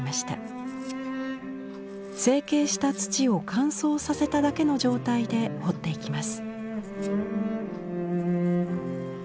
成形した土を乾燥させただけの状態で彫っていきます。